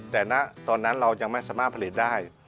แต่ณตอนนั้นเรายังไม่สามารถผลิตได้